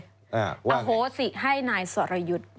ว่าไงอ้าโหสิให้นายสรยุทธ์